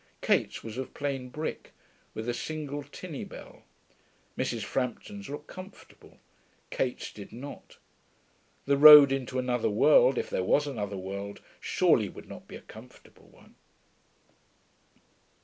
Kate's was of plain brick, with a single tinny bell. Mrs. Frampton's looked comfortable. Kate's did not. The road into another world, if there was another world, surely would not be a comfortable one....